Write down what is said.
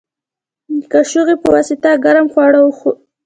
د کاچوغې په واسطه ګرم خواړه اړوو.